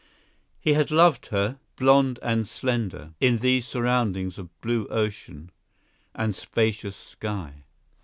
He had loved her, blond and slender, in these surroundings of blue ocean and spacious sky.